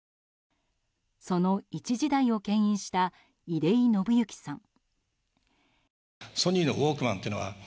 その一時代を牽引した出井伸之さん。